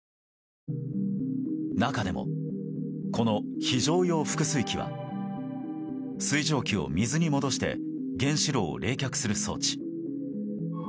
中でも、この非常用復水器は水蒸気を水に戻して原子炉を冷却する装置。